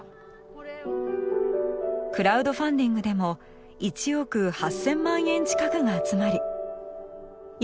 クラウドファンディングでも１億８０００万円近くが集まり１カ月足らずで